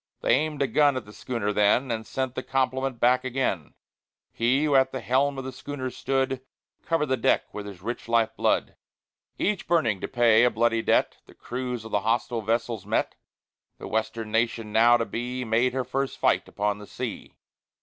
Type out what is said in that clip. They aimed a gun at the schooner then, And sent the compliment back again; He who at the helm of the schooner stood, Covered the deck with his rich life blood. V Each burning to pay a bloody debt, The crews of the hostile vessels met; The Western nation now to be, Made her first fight upon the sea.